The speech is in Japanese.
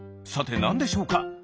さてなんでしょうか？